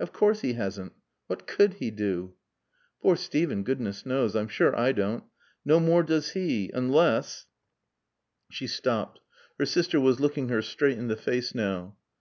"Of course he hasn't. What could he do?" "Poor Steven, goodness knows! I'm sure I don't. No more does he. Unless " She stopped. Her sister was looking her straight in the face now.